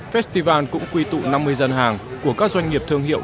festival cũng quy tụ năm mươi gian hàng của các doanh nghiệp thương hiệu